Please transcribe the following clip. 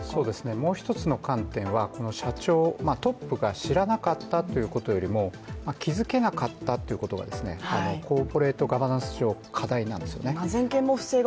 もう一つの観点は社長、トップが知らなかったということよりも、気づけなかったということがコーポレートガバナンス上の課題なんですよね。